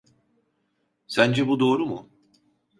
Sence bu doğru mu?